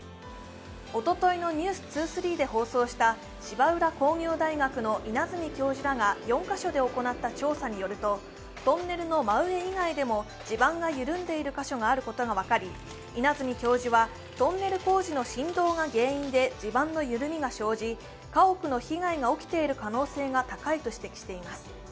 おとといの「ｎｅｗｓ２３」で放送した芝浦工業大学の稲積教授らが４カ所で行った調査によると、トンネルの真上以外でも地盤が緩んでいる箇所があることが分かり、稲積教授はトンネル工事の振動が原因で地盤の緩みが生じ家屋の被害が起きている可能性が高いと指摘しています。